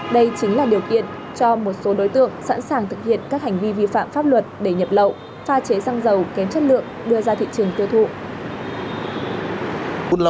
đây chính là điều kiện cho một số đối tượng sẵn sàng thực hiện các hành vi vi phạm pháp luật để nhập lậu pha chế xăng dầu kém chất lượng đưa ra thị trường tiêu thụ